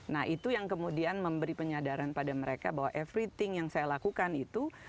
nah itu yang kemudian memberi penyadaran pada mereka bahwa everything yang saya lakukan itu